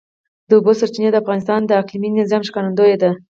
د اوبو سرچینې د افغانستان د اقلیمي نظام ښکارندوی ده.